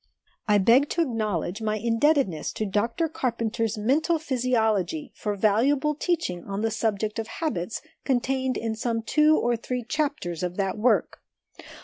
I beg to acknowledge my indebtedness to Dr Carpenter's Mental Physiology for valuable teaching on the subject of habits contained in some two or three chapters of that work.